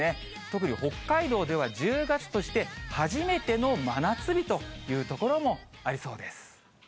特に北海道では１０月として初めての真夏日という所もありそうです。